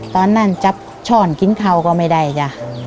ตอนนั้นจับช่อนกินเขาก็ไม่ได้จ้ะ